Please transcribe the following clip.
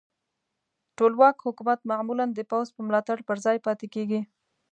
ټولواک حکومت معمولا د پوځ په ملاتړ پر ځای پاتې کیږي.